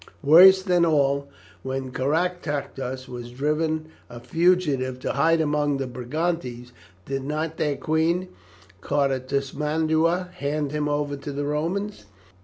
Worse than all, when Caractacus was driven a fugitive to hide among the Brigantes, did not their queen, Cartismandua, hand him over to the Romans?